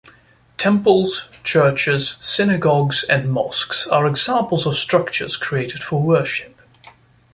Temples, churches, synagogues and mosques are examples of structures created for worship.